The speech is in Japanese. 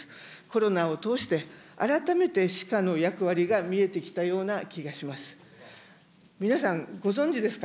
コロナを通して、改めて歯科の役割が見えてきたような気がします。